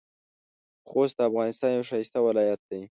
خوست د افغانستان یو ښایسته ولایت دی.